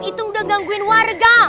itu udah gangguin warga